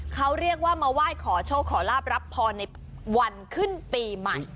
เขาเรียกว่ามาไหว้ขอโชคขอลาบรับพรในวันขึ้นปีใหม่